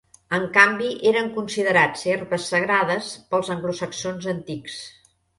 En canvi eren considerats herbes sagrades pels anglosaxons antics.